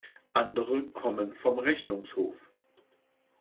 Andere kommen vom Rechnungshof.